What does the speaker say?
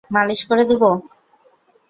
মালিশ করে দিবো?